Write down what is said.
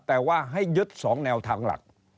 แต่ว่าให้ยึด๒แนวทางหลัก